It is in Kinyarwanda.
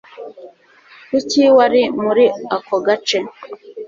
Kuki wari muri ako gace?